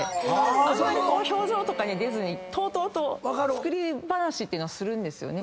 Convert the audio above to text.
あんまり表情とかに出ずにとうとうと作り話っていうのするんですね。